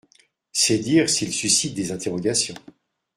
C’est dire s’il suscite des interrogations.